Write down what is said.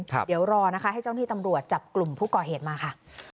เดี๋ยวรอนะคะให้เจ้าหน้าที่ตำรวจจับกลุ่มผู้ก่อเหตุมาค่ะ